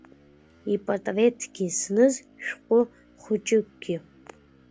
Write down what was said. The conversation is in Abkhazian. Ипатреҭгьы зныз шәҟәы хәыҷыкгьы.